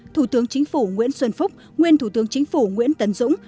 thủ tướng chính phủ nguyễn xuân phúc nguyên thủ tướng chính phủ nguyễn tấn dũng